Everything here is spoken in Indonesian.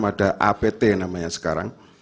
ada apt namanya sekarang